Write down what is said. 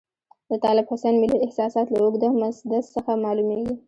د طالب حسین ملي احساسات له اوږده مسدس څخه معلوميږي.